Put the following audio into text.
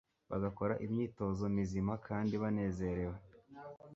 bagakora imyitozo mizima kandi banezerewe,